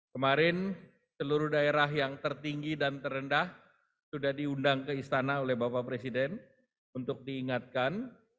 kemarin seluruh daerah yang tertinggi dan terendah sudah diundang ke istana oleh bapak presiden untuk diingatkan